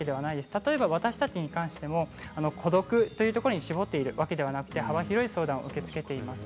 例えば私たちも孤独というところに絞っているわけではなく幅広い相談を受け付けています。